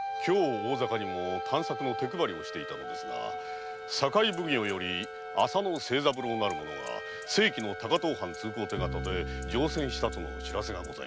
大阪にも探索の手配をしていたのですが堺奉行より浅野清三郎なる者が正規の高遠藩通行手形で乗船したとの報せが。